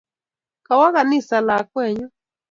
Kawo ganisa lakwennyu.